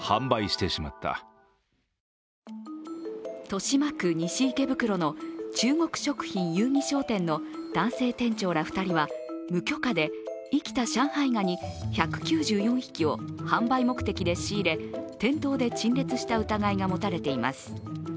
豊島区西池袋の中国食品友誼商店の男性店長ら２人は無許可で生きた上海ガニ１９４匹を販売目的で仕入れ、店頭で陳列した疑いが持たれています。